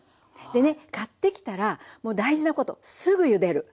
でね買ってきたらもう大事なことすぐゆでる。